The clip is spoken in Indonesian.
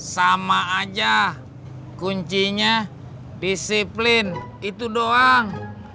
sama aja kuncinya disiplin itu doang